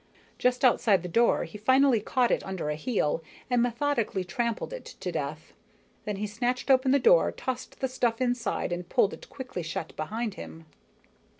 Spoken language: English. Just outside the door, he finally caught it under a heel and methodically trampled it to death. Then he snatched open the door, tossed the stuff inside, and pulled it quickly shut behind him.